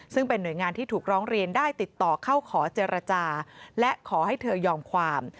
ซึ่งเป็นหน่วยงานที่ถูกร้องเรียนได้ติดต่อเข้าขอเจรจาและขอให้เธอยอมความ